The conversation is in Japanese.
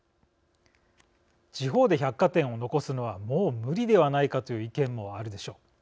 地方で百貨店を残すのはもう無理ではないかという意見もあるでしょう。